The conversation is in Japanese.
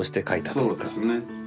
そうですね。